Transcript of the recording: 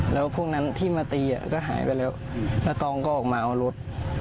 แล้วพวกนั้นที่มาตีก็หายไปแล้วแล้วตองก็ออกมาเอารถ